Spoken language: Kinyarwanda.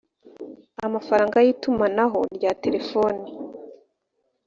amafaranga y itumanaho rya telefoni